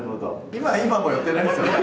今はもう寄ってないですよね